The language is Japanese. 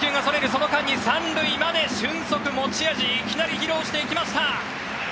その間に３塁まで俊足、持ち味いきなり披露していきました！